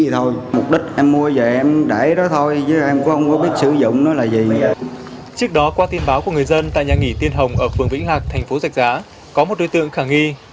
trước đó qua tin báo của người dân tại nhà nghỉ tiên hồng ở phường vĩnh lạc thành phố rạch giá có một đối tượng khả nghi